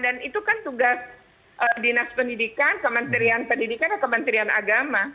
dan itu kan tugas dinas pendidikan kementerian pendidikan atau kementerian agama